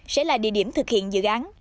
sẽ là địa điểm thực hiện dự án